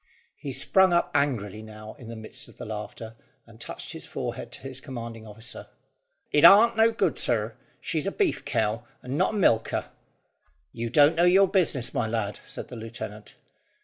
He sprung up angrily now in the midst of the laughter, and touched his forehead to his commanding officer. "It arn't no good, sir; she's a beef cow, and not a milker." "You don't know your business, my lad," said the lieutenant.